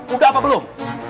udah apa belum